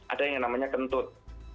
ada yang namanya kentut